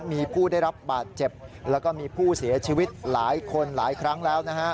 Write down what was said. มีผู้ได้รับบาดเจ็บแล้วก็มีผู้เสียชีวิตหลายคนหลายครั้งแล้วนะฮะ